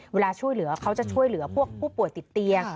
เวลาช่วยเหลือเขาจะช่วยเหลือพวกผู้ป่วยติดเตียง